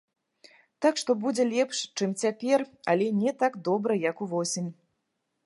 Так што будзе лепш, чым цяпер, але не так добра, як увосень.